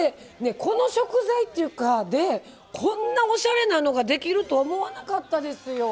この食材っていうかでこんなおしゃれなのができると思わなかったですよ。